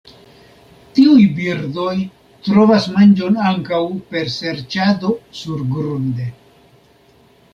Tiuj birdoj trovas manĝon ankaŭ per serĉado surgrunde.